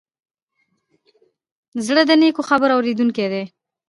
زړه د نیکو خبرو اورېدونکی دی.